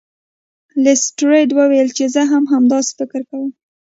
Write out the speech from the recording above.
لیسټرډ وویل چې زه هم همداسې فکر کوم.